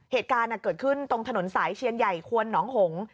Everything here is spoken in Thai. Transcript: เหตุการณ์เกิดขึ้นตรงถนนสายเชียนใหญ่ควนหนองหง